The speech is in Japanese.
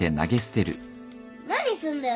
何すんだよ